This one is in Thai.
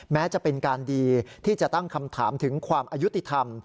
แม้จะเป็นการดีที่จะตั้งคำถามถึงความอายุติธรรม